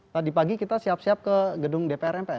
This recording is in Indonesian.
tadi pagi kita siap siap ke gedung dpr mpr